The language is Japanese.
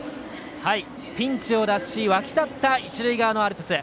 ピンチを脱し沸き立った一塁側のアルプス。